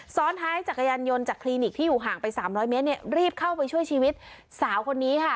ซ้อนท้ายจักรยานยนต์จากคลินิกที่อยู่ห่างไป๓๐๐เมตรเนี่ยรีบเข้าไปช่วยชีวิตสาวคนนี้ค่ะ